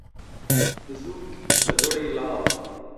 بزورگ به دوڕی لاڵ